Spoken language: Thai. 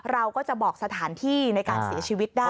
เราก็จะบอกสถานที่ในการเสียชีวิตได้